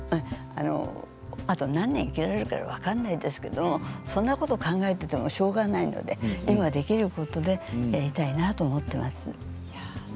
あと何年生きるか分からないですけれどそんなことを考えていてもしょうがないので今できることでやりたいなと思っています。